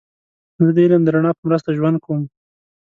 زه د علم د رڼا په مرسته ژوند کوم.